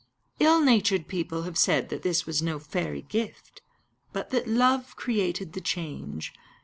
Ill natured people have said that this was no fairy gift, but that love created the change.